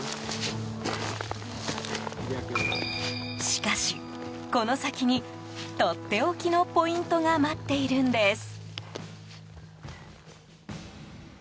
しかし、この先にとっておきのポイントが待っているんです。